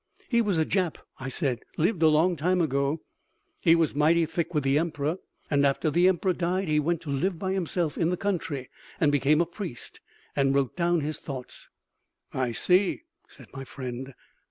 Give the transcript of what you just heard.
"He was a Jap," I said, "lived a long time ago. He was mighty thick with the Emperor, and after the Emperor died he went to live by himself in the country, and became a priest, and wrote down his thoughts." "I see," said my friend.